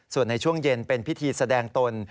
ส่วนในช่วงเย็นเป็นพิธีแสดงตน